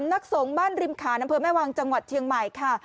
นักสงฆ์บ้านริมขานอำเภอแม่วังจังหวัดเชียงใหม่ค่ะ